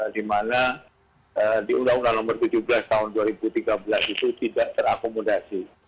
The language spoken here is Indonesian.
di mana di undang undang nomor tujuh belas tahun dua ribu tiga belas itu tidak terakomodasi